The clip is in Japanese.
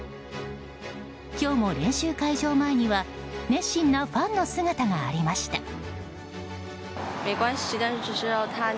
今日も練習会場前には熱心なファンの姿がありました。